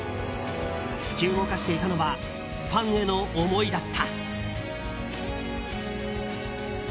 突き動かしていたのはファンへの思いだった。